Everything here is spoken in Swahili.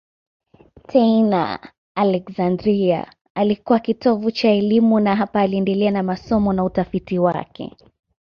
Tena Aleksandria ilikuwa kitovu cha elimu na hapa aliendelea na masomo na utafiti wake.